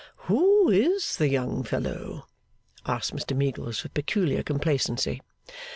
'Who is the young fellow?' asked Mr Meagles with peculiar complacency.